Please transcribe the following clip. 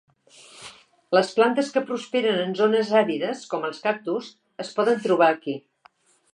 Les plantes que prosperen en zones àrides, com els cactus, es poden trobar aquí.